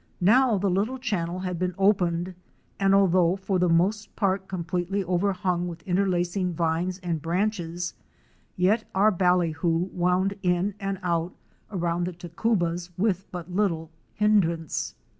Now the little channel had been opened, and although for the most part completely overhung with interlacing vines and branches, yet our ballyhoo wound in and out around the WATER TRAIL FROM GEORGETOWN TO AREMU. 273 tacubas with but little hindrance.